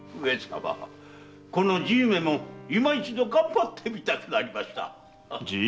このじいめも今一度頑張ってみたくなりました。